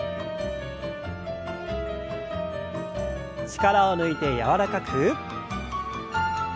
力を抜いて柔らかく。